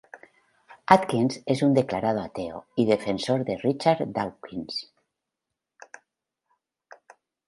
Atkins es un declarado ateo y defensor de Richard Dawkins.